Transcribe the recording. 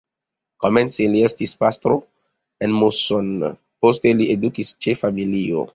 Komence li estis pastro en Moson, poste li edukis ĉe familio.